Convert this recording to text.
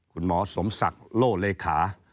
คุณหมอสมศักดิ์โล่เลขา